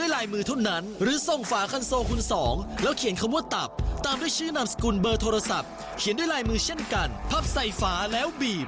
ไม่ยากกฎิกาก็รู้กันแล้ว